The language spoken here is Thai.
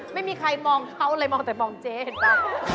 ไม่มีใครมองเขาเลยมองแต่มองเจ๊เห็นป่ะ